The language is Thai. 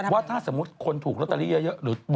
ว่าถ้าสมมุติว่าคนถูกโรตเตอรี่เยอะ